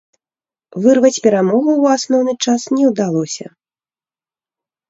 Вырваць перамогу ў асноўны час не ўдалося.